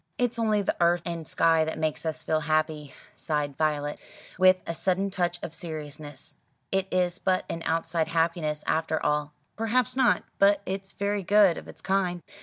"It's only the earth and sky that make us feel happy," sighed Violet, with a sudden touch of seriousness. "It is but an outside happiness after all." "Perhaps not; but it's very good of its kind."